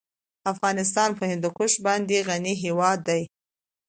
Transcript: افغانستان په هندوکش باندې غني هېواد دی.